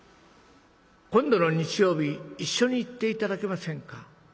『今度の日曜日一緒に行って頂けませんか？